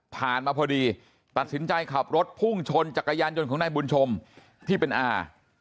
มาพอดีตัดสินใจขับรถพุ่งชนจักรยานยนต์ของนายบุญชมที่เป็นอา